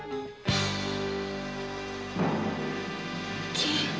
金！